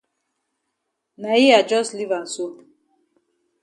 Na yi I jus leave am so.